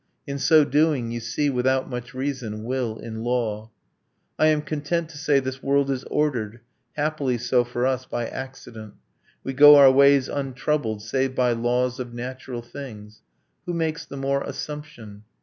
In so doing You see, without much reason, will in law. I am content to say, 'this world is ordered, Happily so for us, by accident: We go our ways untroubled save by laws Of natural things.' Who makes the more assumption?